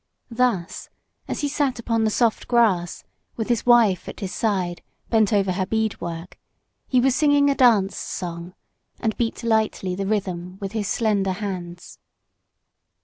Thus as he sat upon the soft grass, with his wife at his side, bent over her bead work, he was singing a dance song, and beat lightly the rhythm with his slender hands.